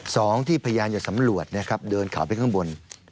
สองที่พยายามจะสำรวจเดินข่าวไปข้างบน